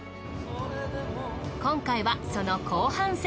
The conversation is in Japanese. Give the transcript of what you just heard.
今回はその後半戦。